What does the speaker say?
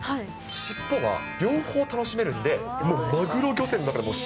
尻尾は両方楽しめるんで、もうマグロ漁船の中で、えー。